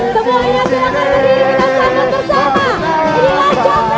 semuanya silahkan berdiri bersama sama